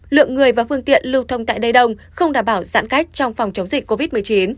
lượng người và phương tiện lưu thông tại đây đông không đảm bảo giãn cách trong phòng chống dịch covid một mươi chín